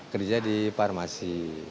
kerja di farmasi